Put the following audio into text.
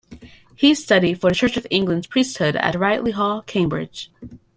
He studied for the Church of England's priesthood at Ridley Hall, Cambridge.